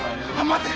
待て！